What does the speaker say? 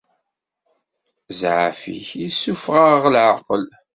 Zzɛaf-ik issufeɣ-aɣ leɛqel.